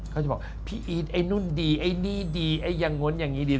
เขาจะบอกพี่อีทไอ้นู่นดีไอ้นี่ดีไอ้อย่างง้นอย่างนี้ดี